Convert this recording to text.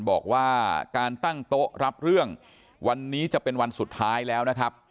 บอกว่าการตั้งโต๊ะรับเรื่องวันนี้จะเป็นวันสุดท้ายแล้วนะครับ